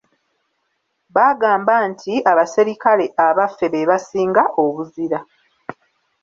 Baagamba nti abaserikale abaffe be basinga obuzira.